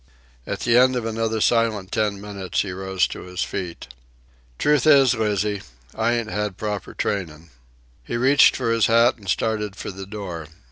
At the end of another silent ten minutes, he rose to his feet. "Truth is, Lizzie, I ain't had proper trainin'." He reached for his hat and started for the door.